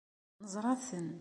Neẓra-ten